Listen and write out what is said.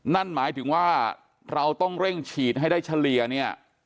นั่นหมายถึงว่าเราต้องเร่งฉีดให้ได้เฉลี่ยเนี่ย